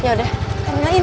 ya udah terminalin